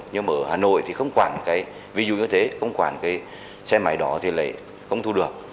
nhưng mà ở hà nội thì không quản cái ví dụ như thế không quản cái xe máy đó thì lại không thu được